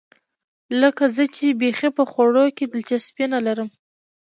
لکه زه چې بیخي په خوړو کې دلچسپي نه لرم.